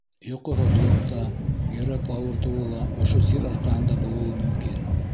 Йоҡоһоҙлоҡ та, йөрәк ауыртыуы ла ошо сир арҡаһында булыуы мөмкин.